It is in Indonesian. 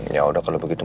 ya udah kalau begitu